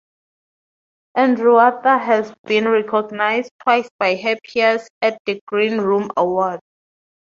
Andrewartha has been recognised twice by her peers at the Green Room Awards.